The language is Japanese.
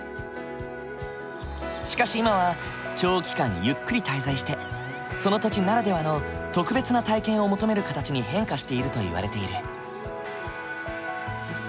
しかし今は長期間ゆっくり滞在してその土地ならではの特別な体験を求める形に変化しているといわれている。